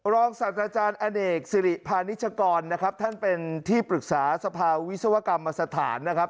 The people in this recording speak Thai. สัตว์อาจารย์อเนกสิริพาณิชกรนะครับท่านเป็นที่ปรึกษาสภาวิศวกรรมสถานนะครับ